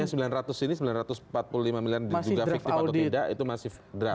tapi sembilan ratus ini sembilan ratus empat puluh lima miliar juga fiktif atau tidak itu masih draft